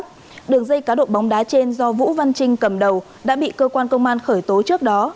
các đối tượng trong đường dây cá độ bóng đá trên do vũ văn trinh cầm đầu đã bị cơ quan công an khởi tố trước đó